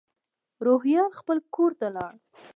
روهیال خپل کور ته لاړ.